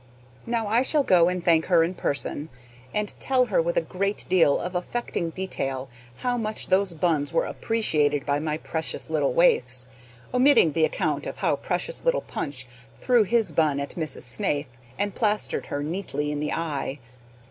Now I shall go and thank her in person, and tell her with a great deal of affecting detail how much those buns were appreciated by my precious little waifs omitting the account of how precious little Punch threw his bun at Miss Snaith and plastered her neatly in the eye.